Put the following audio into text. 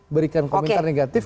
berikan komentar negatif